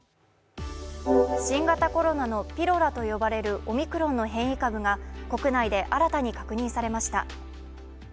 新型コロナなのピロラと呼ばれるオミクロンの変異株が国内で新たに確認されました。